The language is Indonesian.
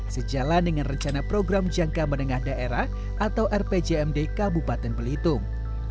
sejalan dengan rencana program jangka menengah daerah atau rpjmd kabupaten belitung